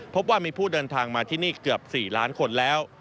พบว่ามีผู้เดินทางมาที่นี่เกือบ๔ล้านคนแล้ว